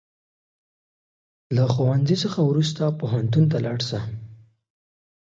د ښوونځي څخه وروسته پوهنتون ته ولاړ سه